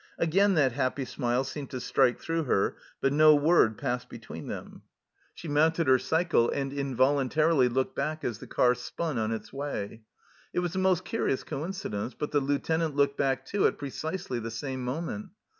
Again that happy smile seemed to strike through her, but no word passed between them. 19 H6 *HE CELLAR HOUSE OF PERVYSE She mounted her cycle, and involuntarily looked back as the car spun on its way. It was a most curious coincidence, but the Lieutenant looked back too, at precisely the same moment